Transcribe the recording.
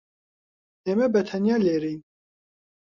ئێمە بەتەنیا لێرەین.